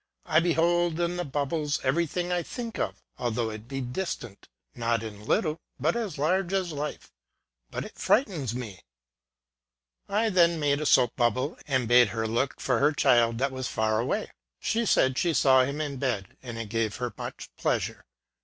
I behold in the bubbles every thing I think of, although it be distant ŌĆö not in little, but as large as life ŌĆö ^but it frightens me." I then made a soap bubble, and bade her look for her child that was far away. She said she saw him in bed, and it gave her much pleasure.